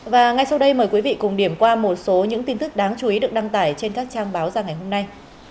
và ngay sau đây mời quý vị cùng điểm qua một số những tin tức đáng chú ý được đăng tải trên các trang báo ra ngày hôm nay